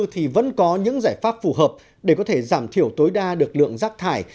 thì vẫn có những giải pháp phù hợp để có thể giảm thiểu tối đa được lượng rác thải